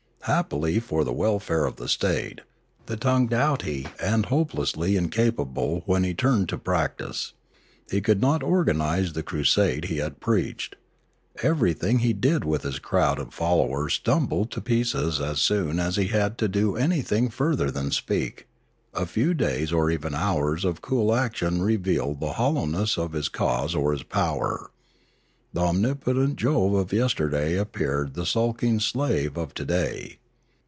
Happily for the wel fare of the state, the tongue doughty was hopelessly incapable when he turned to practice; he could not organise the crusade he had preached; everything he did with his crowd of followers tumbled to pieces as soon as he had to do anything further than speak; a few days or even hours of cool action revealed the hol lowness of his cause or his power; the omnipotent Jove of yesterday appeared the skulking slave of today.